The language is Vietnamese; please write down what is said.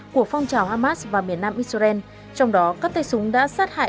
của phong trào hamas và miền nam israel trong đó các tay súng đã sát hại